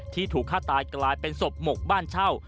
ถูกฆ่าตายกลายเป็นศพหมกบ้านเช่า